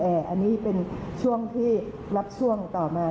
อันนี้เป็นช่วงที่รับช่วงต่อมา